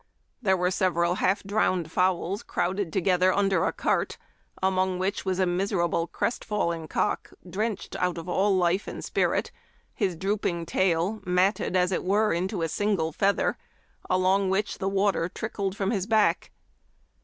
There were several half drowned fowls crowded together under a cart, among which was a mis erable crest fallen cock, drenched out of all life and spirit, his drooping tail matted, as it were, into a single feather, along which the water trickled from his back.